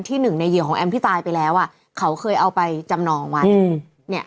ที่หนึ่งในเหยื่อของแอมที่ตายไปแล้วเขาเคยเอาไปจำนองไว้